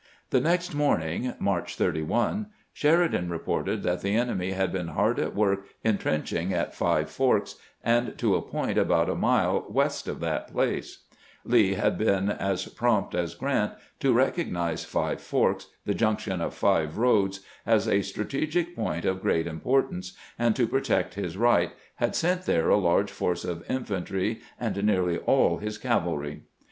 The next morning (March 31) Sheridan reported that the enemy had been hard at work intrenching at Five Forks and to a point about a mile west of that place. 430 CAMPAIGNING WITH GEANT Lee had been as prompt as Grant to recognize Five Forks, the junction of five roads, as a strategic point of great importance, and to protect his right had sent there a large force of infantry and nearly all his cavalry.